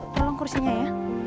tolong kursinya ya